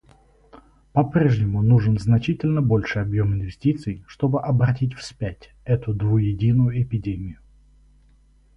По-прежнему нужен значительно больший объем инвестиций, чтобы обратить вспять эту двуединую эпидемию.